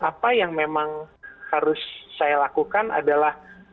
apa yang memang harus saya lakukan adalah